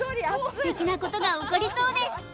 素敵なことが起こりそうです